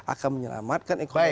akan menyelamatkan ekonomi